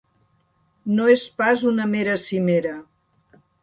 No és pas una mera cimera.